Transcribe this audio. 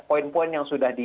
poin poin yang sudah di